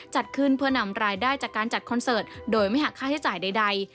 จัดขึ้นเพื่อนำรายได้จากการจัดคอนเสิร์ตโดยไม่หักค่าใช้จ่ายใด